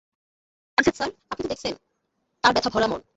আছেত sir, আপনি তো দেখছেন, তাঁর ব্যাথা ভরা মন।